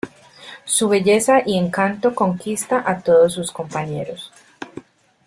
Su belleza y encanto conquista a todos sus compañeros.